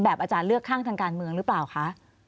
อาจารย์เลือกข้างทางการเมืองหรือเปล่าคะ